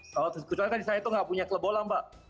kalau tadi saya itu nggak punya klub bola mbak